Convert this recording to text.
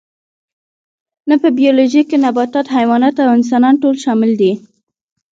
نه په بیولوژي کې نباتات حیوانات او انسانان ټول شامل دي